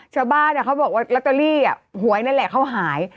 ชาวบ้านเขาบอกว่าลอตเตอรี่หวยนั่นแหละเขาหาย